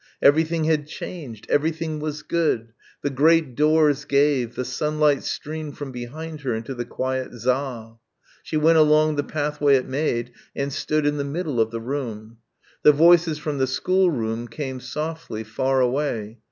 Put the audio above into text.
Everything had changed. Everything was good. The great doors gave, the sunlight streamed from behind her into the quiet saal. She went along the pathway it made and stood in the middle of the room. The voices from the schoolroom came softly, far away.